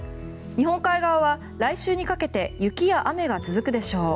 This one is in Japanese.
日本海側は来週にかけて雪や雨が続くでしょう。